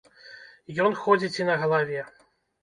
Ён ходзіць і на галаве.